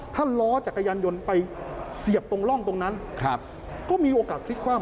ถ้าล้อจักรยานยนต์ไปเสียบตรงร่องตรงนั้นก็มีโอกาสพลิกความ